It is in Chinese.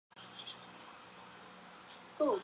他号召人民起来推翻资产阶级的统治。